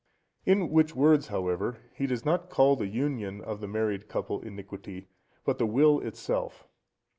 In which words, however, he does not call the union of the married couple iniquity, but the will itself.